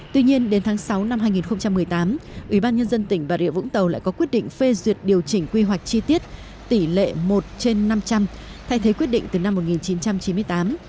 tuy nhiên đến tháng sáu năm hai nghìn một mươi tám ubnd tỉnh bà rịa vũng tàu lại có quyết định phê duyệt điều chỉnh quy hoạch chi tiết tỷ lệ một trên năm trăm linh thay thế quyết định từ năm một nghìn chín trăm chín mươi tám